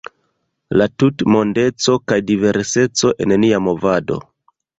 La tutmondeco kaj diverseco en nia movado.